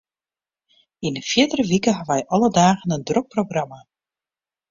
Yn 'e fierdere wike hawwe wy alle dagen in drok programma.